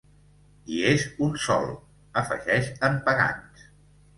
I és un sol —afegeix en Pagans.